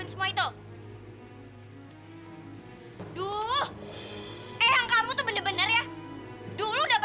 di manakah engkau berada